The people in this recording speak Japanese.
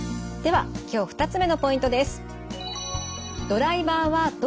では今日２つ目のポイントです。